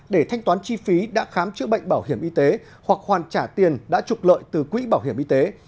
để thanh toán chi phí đã khám chữa bệnh bảo hiểm y tế hoặc khoản trả tiền đã trục lợi từ quỹ bảo hiểm y tế